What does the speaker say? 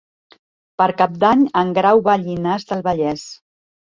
Per Cap d'Any en Grau va a Llinars del Vallès.